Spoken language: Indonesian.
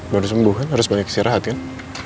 baru sembuhan harus balik siarahat kan